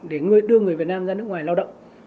để người đưa người việt nam ra nước ngoài lao động